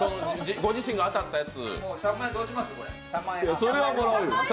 ご自身が当たったやつ。